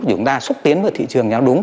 chúng ta xúc tiến vào thị trường nhau đúng